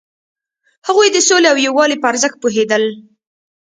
هغوی د سولې او یووالي په ارزښت پوهیدل.